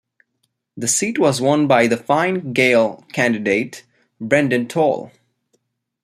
The seat was won by the Fine Gael candidate Brendan Toal.